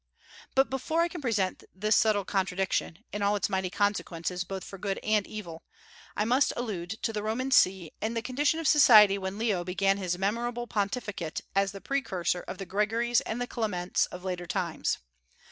But before I can present this subtile contradiction, in all its mighty consequences both for good and evil, I must allude to the Roman See and the condition of society when Leo began his memorable pontificate as the precursor of the Gregories and the Clements of later times.